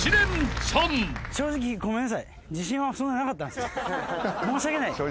正直ごめんなさい。